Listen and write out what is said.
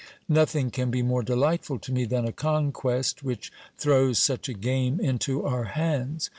Nothing can be more delightful to me than a conquest, which throws such a game into our hands.